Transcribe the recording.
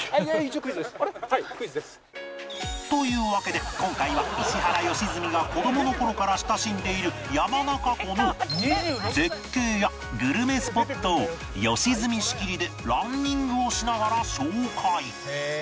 というわけで今回は石原良純が子供の頃から親しんでいる山中湖の絶景やグルメスポットを良純仕切りでランニングをしながら紹介